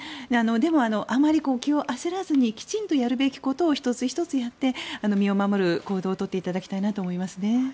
でも、あまり気を焦らずにきちんとやるべきことを１つ１つやって身を守る行動をとっていただきたいなと思います。